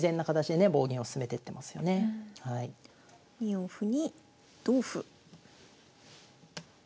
２四歩に同歩。